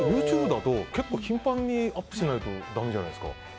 ＹｏｕＴｕｂｅだと結構、頻繁にアップしないとだめじゃないですか。